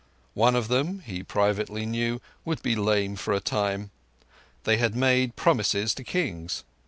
One of them, he privately knew, would be lame for a time. They had made promises to Kings.